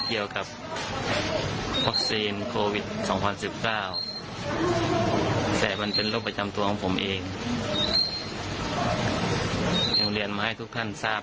เกี่ยวกับโควิดนะครับ